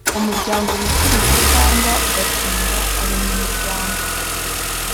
umuryango witirirwa cyangwa ugatunga abanyamuryango